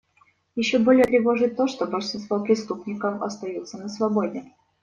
Еще более тревожит то, что большинство преступников остаются на свободе.